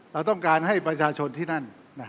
เราต้องการให้ประชาชนที่นั่น